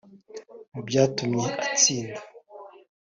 Mu byatumye atsinda